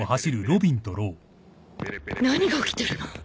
何が起きてるの！？